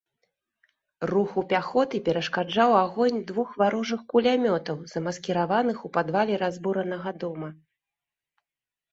Руху пяхоты перашкаджаў агонь двух варожых кулямётаў, замаскіраваных у падвале разбуранага дома.